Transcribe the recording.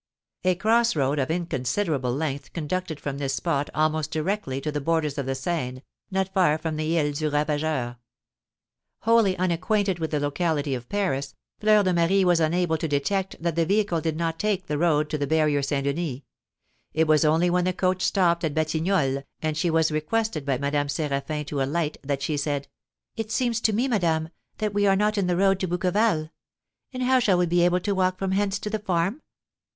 A cross road of inconsiderable length conducted from this spot almost directly to the borders of the Seine, not far from the Isle du Ravageur. Wholly unacquainted with the locality of Paris, Fleur de Marie was unable to detect that the vehicle did not take the road to the Barrier St. Denis; it was only when the coach stopped at Batignolles, and she was requested by Madame Séraphin to alight, that she said: "It seems to me, madame, that we are not in the road to Bouqueval; and how shall we be able to walk from hence to the farm?"